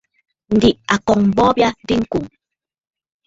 Ǹdè a kɔ̀ŋə̀ bɔɔ bya aa diŋkò.